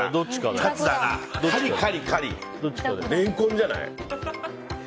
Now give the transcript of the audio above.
レンコンじゃない？